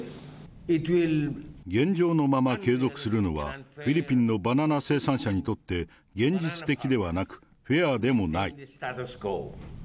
現状のまま継続するのは、フィリピンのバナナ生産者にとって現実的ではなく、フェアでもない。